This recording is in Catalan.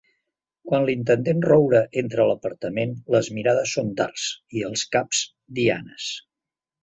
Quan l'intendent Roure entra a l'apartament les mirades són dards i els caps dianes.